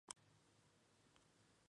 Finaliza con un apartado de enfermedades.